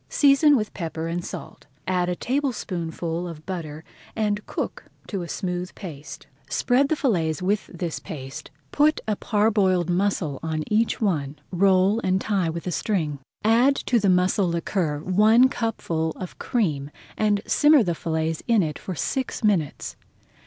Season with pepper and salt, add a tablespoonful of butter, and cook to a smooth paste. Spread the fillets with this paste, put a parboiled mussel on each one, roll and tie with a string. Add to the mussel liquor one cupful of cream and simmer the fillets in it for six minutes.